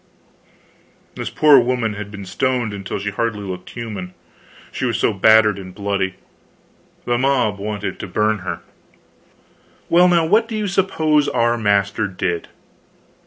This poor woman had been stoned until she hardly looked human, she was so battered and bloody. The mob wanted to burn her. Well, now, what do you suppose our master did?